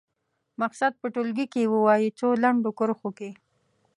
مقصد په ټولګي کې ووايي څو لنډو کرښو کې.